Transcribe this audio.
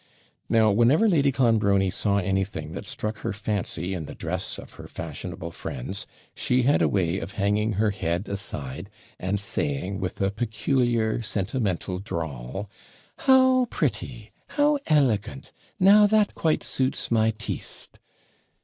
Now, whenever Lady Clonbrony saw anything that struck her fancy in the dress of her fashionable friends, she had a way of hanging her head aside, and saying, with a peculiar sentimental drawl 'How pretty! how elegant! Now that quite suits my TEESTE!